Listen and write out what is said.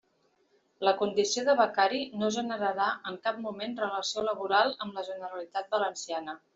La condició de becari no generarà en cap moment relació laboral amb la Generalitat Valenciana.